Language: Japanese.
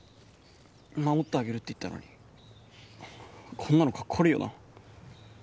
守ってあげるって言ったのにこんなのかっこ悪いよな。